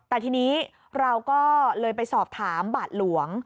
แต่ทีนี้เราก็เลยไปสอบถามบาทหลวง